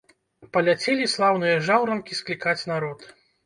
Паляцелі слаўныя жаўранкі склікаць народ.